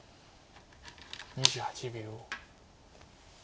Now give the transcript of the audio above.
２８秒。